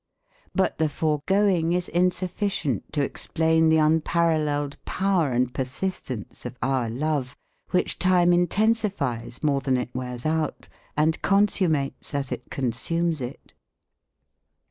But the foregoing is insufficient to explain the unparalleled power and persistence of our love which time intensifies more than it wears out, and consummates as it consumes it.